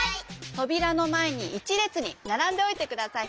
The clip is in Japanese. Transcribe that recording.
とびらのまえに１れつにならんでおいてください。